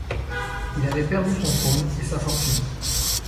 Il avait perdu son trône et sa fortune.